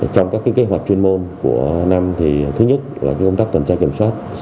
trong các kế hoạch chuyên môn của năm thì thứ nhất là công tác tuần tra kiểm soát